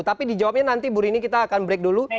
tapi dijawabnya nanti bu rini kita akan break dulu